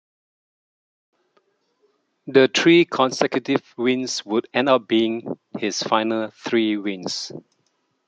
The three consecutive wins would end up being his final three wins.